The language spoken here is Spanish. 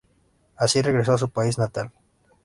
Así, regresó a su país natal.